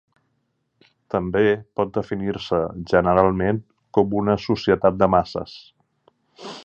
També pot definir-se generalment com una societat de masses.